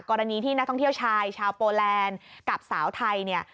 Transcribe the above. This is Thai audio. กรณีที่นักท่องเที่ยวชายชาวโปแลนด์กับสาวไทยเนี่ย